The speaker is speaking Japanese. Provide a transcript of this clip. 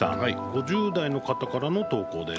５０代の方からの投稿です。